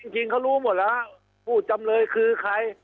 จริงเขารู้หมดแล้วผู้จำเลยคือใคร